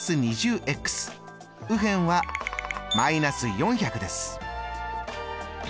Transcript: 右辺はー４００です。